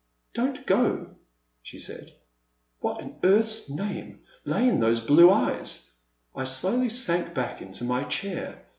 "Don't go,*' she said. What in Heaven's name lay in those blue eyes ! I slowly sank back into my chair.